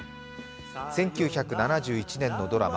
１９７１年のドラマ